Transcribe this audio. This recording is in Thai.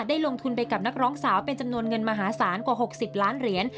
ลงทุนไปกับนักร้องสาวเป็นจำนวนเงินมหาศาลกว่า๖๐ล้านเหรียญ